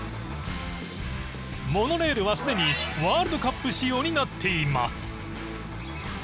モノレールはすでにワールドカップ仕様になっています。